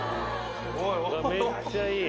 めっちゃいい。